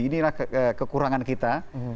ini adalah kekurangan kita